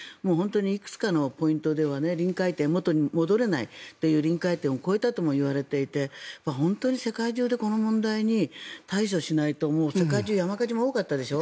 いくつかのポイントでは臨界点元に戻れないという臨界点を超えたともいわれていて本当に世界中でこの問題に対処しないと世界中山火事も多かったでしょ。